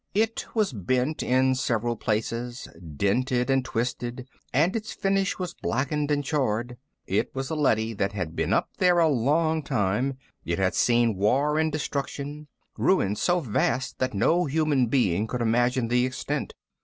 It was bent in several places, dented and twisted, and its finish was blackened and charred. It was a leady that had been up there a long time; it had seen war and destruction, ruin so vast that no human being could imagine the extent.